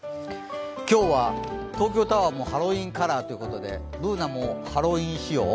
今日は東京タワーもハロウィーンカラーということで、Ｂｏｏｎａもハロウィーン仕様？